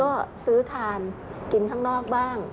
ก็ซื้อทานกินข้างนอกบ้าง